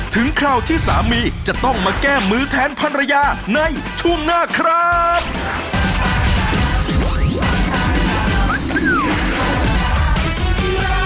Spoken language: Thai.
คราวที่สามีจะต้องมาแก้มือแทนภรรยาในช่วงหน้าครับ